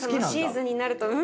シーズンになると。